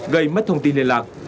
gây mất thông tin liên lạc